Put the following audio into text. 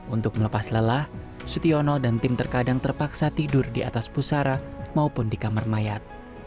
untuk melepas lelah sutyono dan tim terkadang terpaksa tidur di atas pusara maupun di kamar mayat